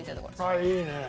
ああいいね。